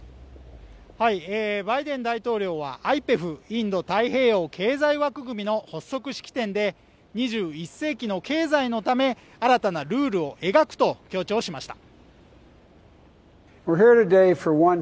バイデン大統領はＩＰＥＦ＝インド太平洋経済枠組みの発足式典で２１世紀の経済のため新たなルールを描くと強調しました。